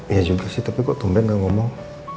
ya juga sih tapi kok tumben gak ngomong